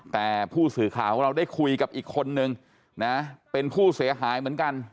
แต่ผู้สื่อข่าวของเราได้คุยกับอีกคนนึงนะเป็นผู้เสียหายเหมือนกัน